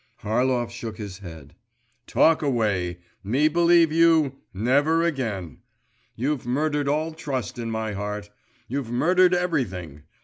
Harlov shook his head. 'Talk away! Me believe you! Never again! You've murdered all trust in my heart! You've murdered everything!